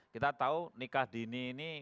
kita tahu nikah dini ini